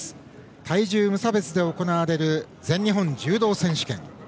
体重無差別で行われる全日本柔道選手権。